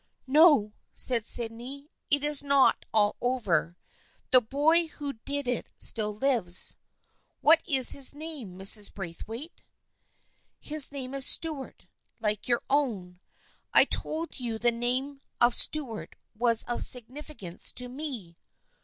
" No," said Sydney. " It is not all over. The boy who did it still lives. What is his name, Mrs. Braithwaite ?"" His name is Stuart, like your own. I told you the name of Stuart was of significance to me."